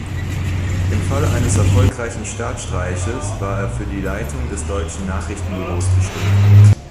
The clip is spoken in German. Im Falle eines erfolgreichen Staatsstreiches war er für die Leitung des Deutschen Nachrichtenbüros bestimmt.